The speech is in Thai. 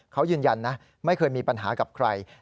เขายืนยันนะไม่เคยมีปัญหากับใคร